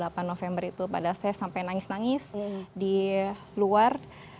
pada tahun dua ribu delapan belas pada saya sampai nangis nangis di luar